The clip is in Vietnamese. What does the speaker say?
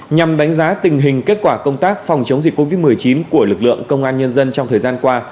nhằm đánh giá tình hình kết quả công tác phòng chống dịch covid một mươi chín của lực lượng công an nhân dân trong thời gian qua